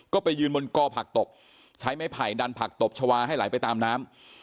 ก็ไปยืนบนกอผักตบใช้ไม้ไผ่ดันผักตบชาวาให้ไหลไปตามน้ำ